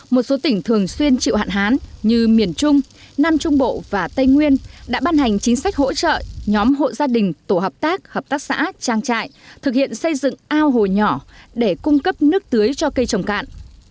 một số tỉnh thường xuyên chịu hạn hán như miền trung nam trung bộ và tây nguyên đã ban hành chính sách hỗ trợ nhóm hộ gia đình tổ hợp tác hợp tác xã trang trại thực hiện xây dựng ao hồ nhỏ để cung cấp nước tưới cho cây trồng cạn